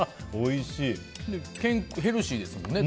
ヘルシーですもんね。